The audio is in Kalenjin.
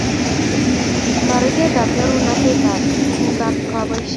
Toretet ab nyorunet ab tukuk ab kapotisiet